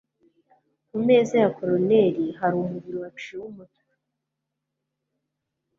ku meza ya coroner hari umubiri waciwe umutwe